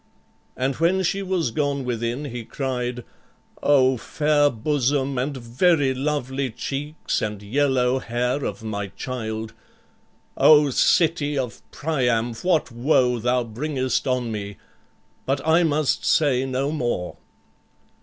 And when she was gone within, he cried, "O fair bosom and very lovely cheeks and yellow hair of my child! O city of Priam, what woe thou bringest on me! But I must say no more."